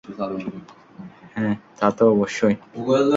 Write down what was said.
হ্যাঁ, তাতো অবশ্যই!